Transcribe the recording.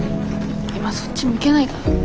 今そっち向けないから。